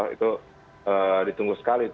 itu ditunggu sekali